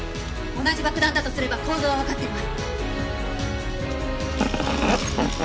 同じ爆弾だとすれば構造はわかってるわ。